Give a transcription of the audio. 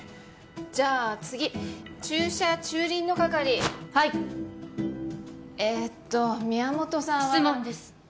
じゃあ次駐車・駐輪の係はいえーっと宮本さんは質問です